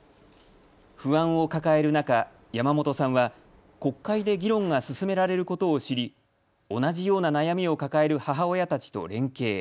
不安を抱える中、山本さんは国会で議論が進められることを知り同じような悩みを抱える母親たちと連携。